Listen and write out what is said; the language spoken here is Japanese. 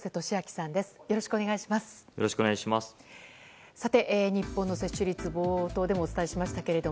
さて、日本の接種率冒頭でもお伝えしましたけど